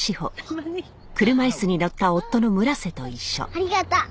ありがとう。